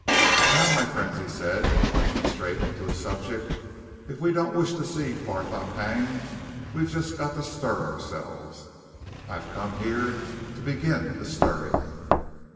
"Now, my friends," he said, plunging straight into his subject, "if we don't wish to see Barthorpe hanged, we've just got to stir ourselves! I've come here to begin the stirring."